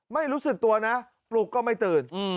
ไม่รู้สึกตัวนะปลุกก็ไม่ตื่น